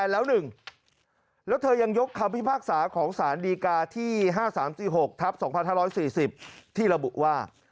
แล้วเธอยังยกคำพิพากษาของสารดีกาที่๕๓๔๖ทับ๒๕๔๐ที่ระบุว่า